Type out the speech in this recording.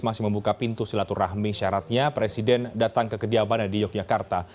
masih membuka pintu silaturahmi syaratnya presiden datang ke kediamannya di yogyakarta